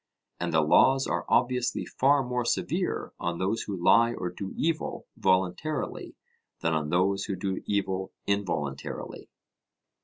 And the laws are obviously far more severe on those who lie or do evil, voluntarily, than on those who do evil involuntarily.